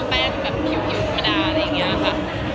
มุมแป้งแบบผิวภูมิดาอะไรอย่างเงี้ยค่ะ